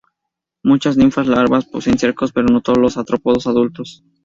Muchas ninfas y larvas poseen cercos, pero no todos los artrópodos adultos.